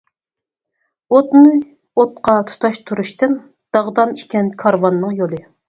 ئوتنى ئوتقا تۇتاشتۇرۇشتىن، داغدام ئىكەن كارۋاننىڭ يولى.